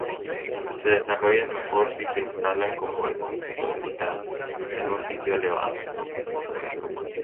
Se desarrollan mejor si se instalan como epífitas en un sitio elevado.